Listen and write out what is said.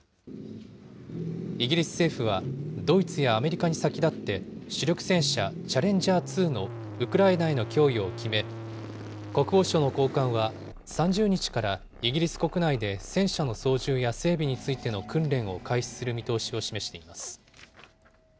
イギリス政府はドイツやアメリカに先立って、主力戦車、チャレンジャー２のウクライナへの供与を決め、国防省の高官は３０日からイギリス国内で戦車の操縦や整備についての訓練を開始する見通しを示しています。